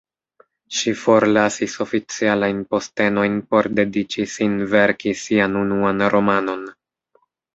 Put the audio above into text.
Ŝi forlasis oficialajn postenojn por dediĉi sin verki sian unuan romanon.